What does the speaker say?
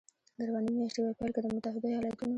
د روانې میاشتې په پیل کې د متحدو ایالتونو